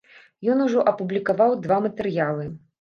Ён ужо апублікаваў два матэрыялы.